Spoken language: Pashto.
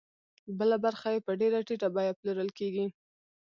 بله برخه یې په ډېره ټیټه بیه پلورل کېږي